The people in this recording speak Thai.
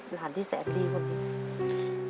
หลานที่แสนที่พวกนี้